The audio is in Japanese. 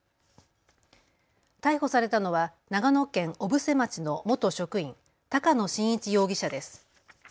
逮捕されたのは長野県小布施町の元職員、高野伸一容疑者です。